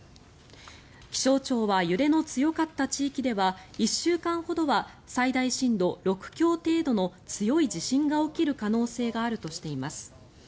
気象庁は揺れの強かった地域では１週間ほどは最大震度６強程度の強い地震が起きる可能性があるとしています。